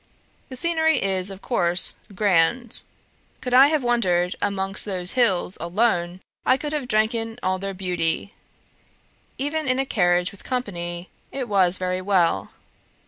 The scenery is, of course, grand; could I have wandered about amongst those hills ALONE, I could have drank in all their beauty; even in a carriage with company, it was very well.